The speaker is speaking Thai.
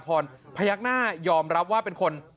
พยักหน้ายอมรับว่าเป็นคน